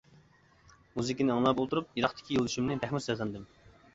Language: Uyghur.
مۇزىكىنى ئاڭلاپ ئولتۇرۇپ، يىراقتىكى يولدىشىمنى بەكمۇ سېغىندىم.